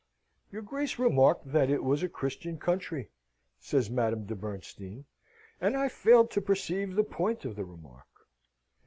"Your Grace remarked, that it was a Christian country," said Madame de Bernstein, "and I failed to perceive the point of the remark."